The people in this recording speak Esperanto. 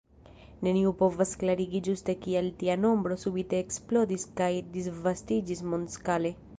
Neniu povas klarigi ĝuste kial tia nombro subite eksplodis kaj disvastiĝis mondskale.